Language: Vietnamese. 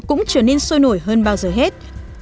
cũng trở nên sôi nổi hơn bao giờ hết